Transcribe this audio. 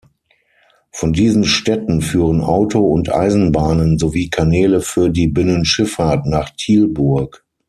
Von diesen Städten führen Auto- und Eisenbahnen sowie Kanäle für die Binnenschifffahrt nach Tilburg.